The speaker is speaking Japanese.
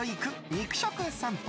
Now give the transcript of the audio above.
肉食さんぽ。